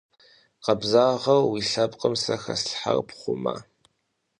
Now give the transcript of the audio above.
Къэбзагъэу уи лъэпкъым сэ хэслъхьар пхъума?